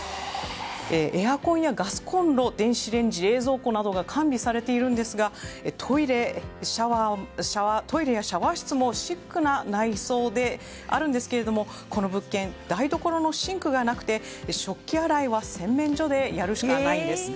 エアコンやガスコンロ電子レンジ、冷蔵庫などが完備されているんですがトイレやシャワー室もシックな内装であるんですけどこの物件、台所のシンクがなくて食器洗いは洗面所でやるしかないんです。